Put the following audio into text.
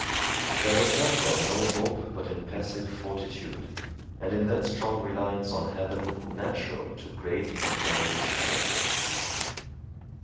There was therefore no hope but in passive fortitude, and in that strong reliance on Heaven natural to great and generous characters.